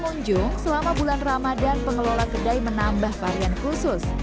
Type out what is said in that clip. pengunjung selama bulan ramadan pengelola kedai menambah varian khusus